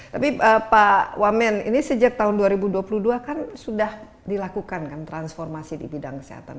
tapi pak wamen ini sejak tahun dua ribu dua puluh dua kan sudah dilakukan kan transformasi di bidang kesehatan